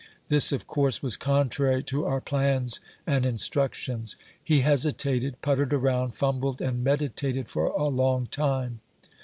This, of course, was contrary to our plans and instruc tions. He hesitated, puttered around, fumbled and meditated for a long time.